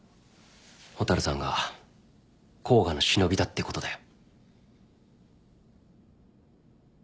蛍さんが甲賀の忍びだってことだよ。